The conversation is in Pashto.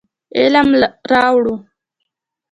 علم راوړو.